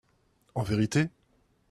En vérité ?